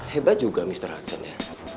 hebat juga mr action ya